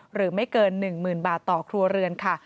หรือไม่เกิน๑๐๐๐บาทต่อครัวเรือนค่ะ